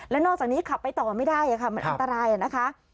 และนอกจากนี้ขับไปต่อไม่ได้ค่ะมันอันตรายนะคะ